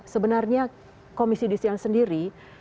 sebenarnya komisi distrikan sendiri